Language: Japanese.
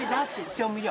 調味料！？